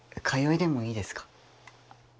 通いでもいいですか？